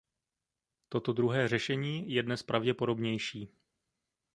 Toto druhé řešení je dnes pravděpodobnější.